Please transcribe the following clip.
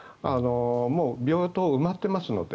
もう病棟が埋まっていますので。